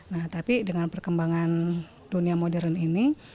nah tapi dengan perkembangan dunia modern ini